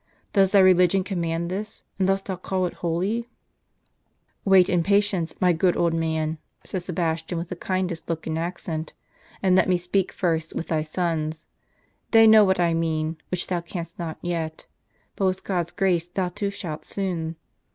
does thy religion command this, and dost thou call it holy ?" "Wait in patience, my good old man," said Sebastian, with the kindest look and accent, " and let me speak first with thy sons. They know what I mean, which thou canst not yet; but with God's grace thou too shalt soon.